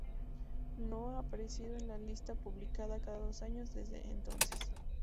No ha aparecido en la lista, publicada cada dos años, desde entonces.